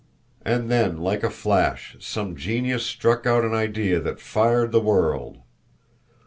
And then, like a flash, some genius struck out an idea that fired the world.